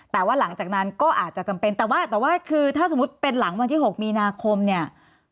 แต่ว่าหลังจากนั้นก็อาจจะจำเป็นแต่ว่าแต่ว่าคือถ้าสมมุติเป็นหลังวันที่๖มีนาคมเนี่ย